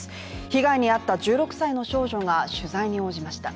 被害に遭った１６歳の少女が取材に応じました